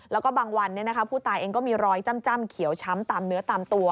แล้วก็บางวันผู้ตายเองก็มีรอยจ้ำเขียวช้ำตามเนื้อตามตัว